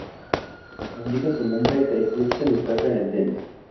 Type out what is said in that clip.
Como indica su nombre, el club se destaca en el tenis.